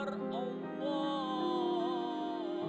allahu akbar allah